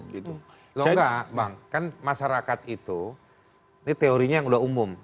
kalau enggak bang kan masyarakat itu ini teorinya yang udah umum